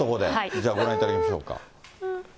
じゃあご覧いただきましょうか。